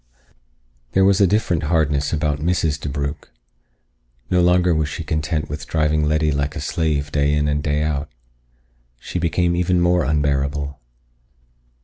There was a different hardness about Mrs. DeBrugh. No longer was she content with driving Letty like a slave day in and day out. She became even more unbearable.